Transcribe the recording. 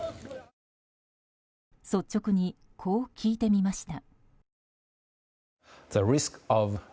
率直に、こう聞いてみました。